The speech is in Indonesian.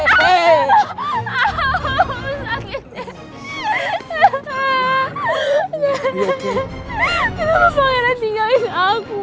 kenapa pangeran tinggalin aku